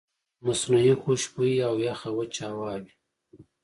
مصنوعي خوشبويئ او يخه وچه هوا وي